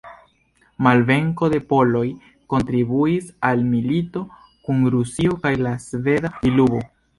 Malvenko de poloj kontribuis al milito kun Rusio kaj la sveda diluvo.